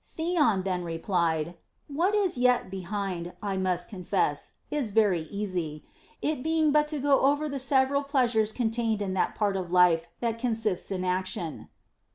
Theon then replied : What is yet behind, I must confess, is very easy ; it being but to go over the several pleasures contained in that part of life that consists in action.